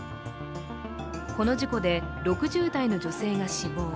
この事故で６０代の女性が死亡。